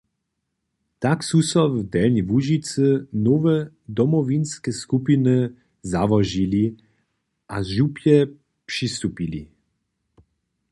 Tak su so w Delnjej Łužicy nowe Domowinske skupiny załožili a župje přistupili.